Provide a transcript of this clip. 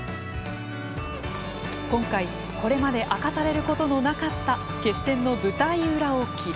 今回これまで明かされることのなかった決戦の舞台裏を記録。